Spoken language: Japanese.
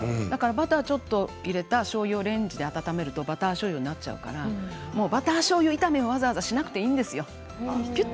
バターをちょっと入れたしょうゆをレンジで温めるとバターじょうゆになっちゃうからバターしょうゆ炒めをわざわざしなくていいんです。